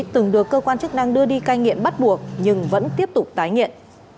từng được cơ quan chức năng đưa đi cai nghiện bắt buộc nhưng vẫn tiếp tục tái nghiện